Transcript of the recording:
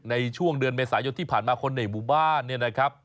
ในช่วงเดือนเมษายนที่ผ่านมาคนในหมู่บ้านเนี่ยนะครับ